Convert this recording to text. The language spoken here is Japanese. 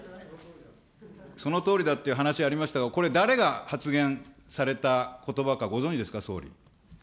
そのとおりだというお話ありましたが、これ、誰が発言されたことばかご存じですか、総理。